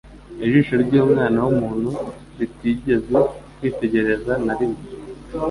ijisho ry'Umwana w'umuntu ritigeze kwitegereza na rimwe.